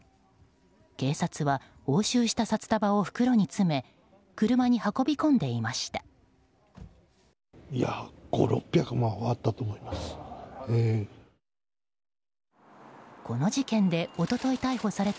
警察は押収した札束を袋に詰め車に運び込んでいました。